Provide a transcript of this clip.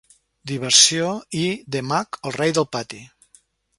Diversió" i "D-Mac: El rei del pati".